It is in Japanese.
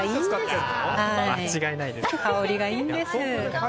香りがいいんです。